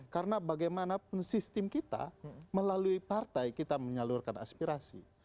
karena bagaimanapun sistem kita melalui partai kita menyalurkan aspirasi